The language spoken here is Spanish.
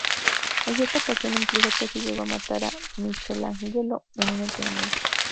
En cierta ocasión incluso casi llegó a matar a Michelangelo en un entrenamiento.